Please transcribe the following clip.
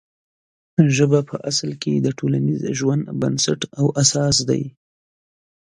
ژبه په اصل کې د ټولنیز ژوند بنسټ او اساس دی.